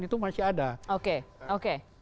itu masih ada oke oke